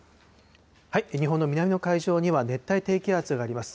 日本の南の海上には熱帯低気圧があります。